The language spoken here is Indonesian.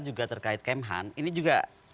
juga terkait kemhan ini juga